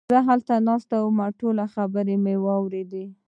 زه هلته ناست وم، ما ټولې خبرې واوريدې!